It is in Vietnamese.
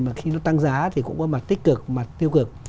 mà khi nó tăng giá thì cũng có mặt tích cực mặt tiêu cực